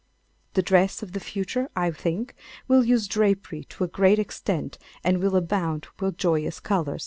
The dress of the future, I think, will use drapery to a great extent and will abound with joyous colour.